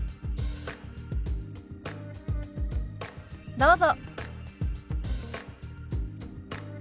どうぞ。